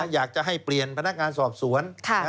อยากจะให้เปลี่ยนพนักงานสอบสวน